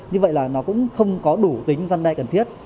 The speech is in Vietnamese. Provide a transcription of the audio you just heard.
như vậy là nó cũng không có đủ tính gian đại cần thiết